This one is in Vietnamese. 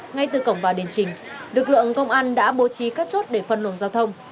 ngay từ cổng vào đền trình lực lượng công an đã bố trí các chốt để phân luồng giao thông